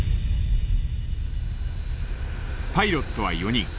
パイロットは４人。